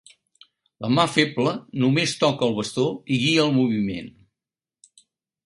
La mà feble només toca el bastó i guia el moviment.